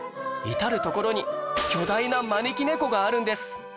至る所に巨大な招き猫があるんです